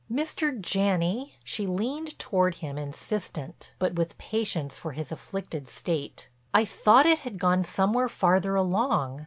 "Mr. Janney," she leaned toward him insistent, but with patience for his afflicted state, "I thought it had gone somewhere farther along.